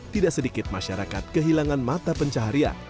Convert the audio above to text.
tidak sedikit masyarakat kehilangan mata pencaharian